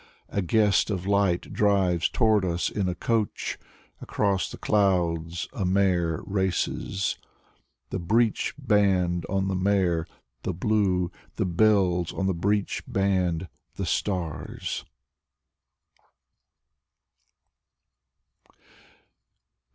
A guest of light drives toward us In a coach. Across the clouds A mare races. The breech band on die mare: The blue; The bells on the breech band: The stars.